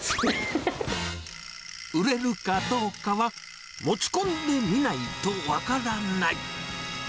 売れるかどうかは、持ち込んでみないと分からない。